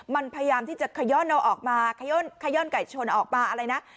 มันพยายามที่จะขย่อนเอาออกมาขย่อนไก่ชนออกมาอะไรนะ